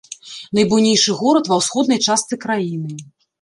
Найбуйнейшы горад ва ўсходняй частцы краіны.